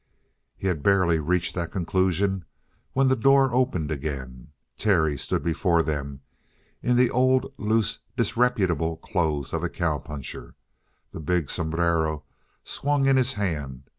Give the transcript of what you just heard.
He had barely reached that conclusion when the door opened again. Terry stood before them in the old, loose, disreputable clothes of a cow puncher. The big sombrero swung in his hand.